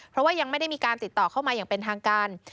เพราะว่ายังไม่ได้มีการติดต่อเข้ามาอย่างเป็นทางการ